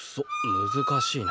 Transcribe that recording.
むずかしいな。